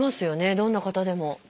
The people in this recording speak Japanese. どんな方でも。